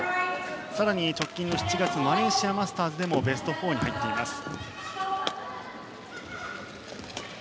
更に直近７月マレーシアマスターズでもベスト４に入っています。